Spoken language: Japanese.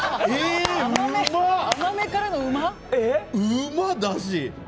うまっ！だし。